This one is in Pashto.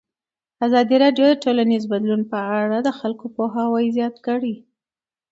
ازادي راډیو د ټولنیز بدلون په اړه د خلکو پوهاوی زیات کړی.